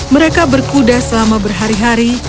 mereka berkuda selama berhari hari